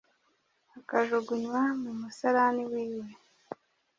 akajugunywa mu musarani wiwe